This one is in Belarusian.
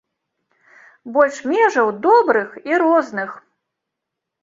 Больш межаў добрых і розных!